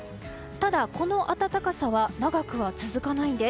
ただ、この暖かさは長くは続くないんです。